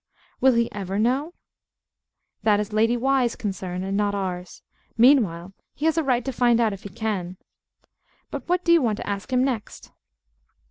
Will he ever know? That is Lady Why's concern, and not ours. Meanwhile he has a right to find out if he can. But what do you want to ask him next?